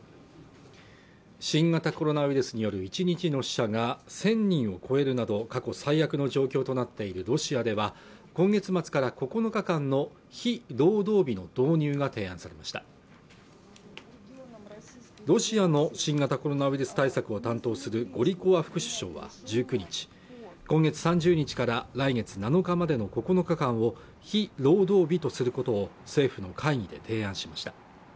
新型コロナウイルスによる１日の死者が１０００人を超えるなど過去最悪の状況となっているロシアでは今月末から９日間の非労働日の導入が提案されましたロシアの新型コロナウイルス対策を担当するゴリコワ副首相は１９日今月３０日から来月７日までの９日間を非労働日とすることを政府の会議で提案しました